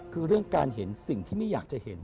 คือเรื่องการเห็นสิ่งที่ไม่อยากจะเห็น